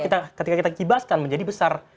ketika kita kibaskan menjadi besar